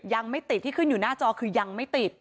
ยังไม่ติดที่ขึ้นอยู่หน้าจอคือยังไม่ติด